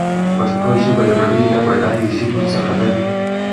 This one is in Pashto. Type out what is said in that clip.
پښتو ژبه د نړۍ له بډايو ژبو څخه ده.